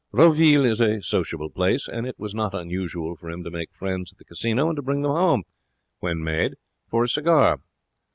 Roville is a sociable place, and it was not unusual for him to make friends at the casino and to bring them home, when made, for a cigar.